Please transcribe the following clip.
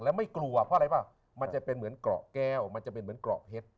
แล้วไม่กลัวเพราะอะไรป่ะมันจะเป็นเหมือนเกราะแก้วมันจะเป็นเหมือนเกราะเพชร